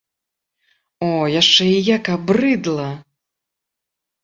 О, яшчэ і як абрыдла!